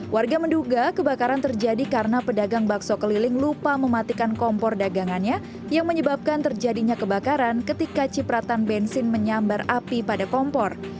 warga menduga kebakaran terjadi karena pedagang bakso keliling lupa mematikan kompor dagangannya yang menyebabkan terjadinya kebakaran ketika cipratan bensin menyambar api pada kompor